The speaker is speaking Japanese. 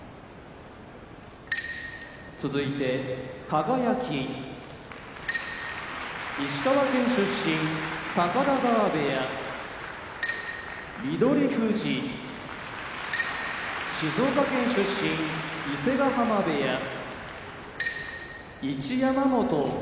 輝石川県出身高田川部屋翠富士静岡県出身伊勢ヶ濱部屋一山本北海道